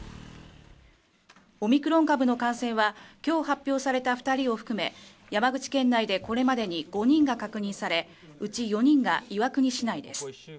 オミクロン株の感染は、今日発表された２人を含め山口県内でこれまでに５人が確認され、うち４人が岩国市内です。